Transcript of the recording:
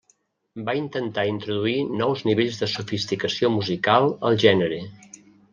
Va intentar introduir nous nivells de sofisticació musical al gènere.